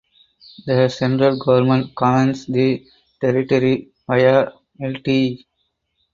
The Central Government governs the territory via Lt.